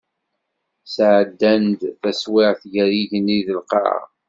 Sɛeddan-d taswiɛt gar yigenni d lqaɛa.